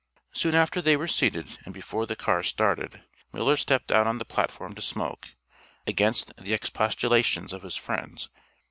Soon after they were seated and before the cars started, Miller stepped out on the platform to smoke, against the expostulations of his friends.